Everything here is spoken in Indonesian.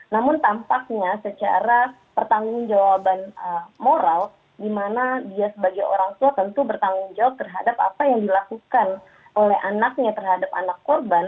namun tampaknya secara pertanggung jawaban moral di mana dia sebagai orang tua tentu bertanggung jawab terhadap apa yang dilakukan oleh anaknya terhadap anak korban